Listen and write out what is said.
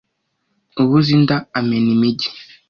Ubuze inda amena imigi.